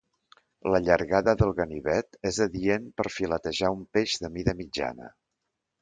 La llargada del ganivet és adient per filetejar un peix de mida mitjana.